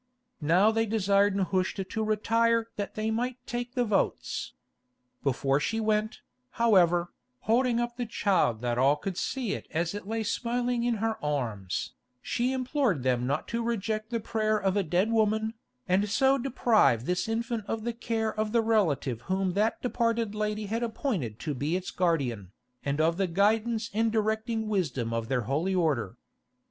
Now they desired Nehushta to retire that they might take the votes. Before she went, however, holding up the child that all could see it as it lay smiling in her arms, she implored them not to reject the prayer of a dead woman, and so deprive this infant of the care of the relative whom that departed lady had appointed to be its guardian, and of the guidance and directing wisdom of their holy Order.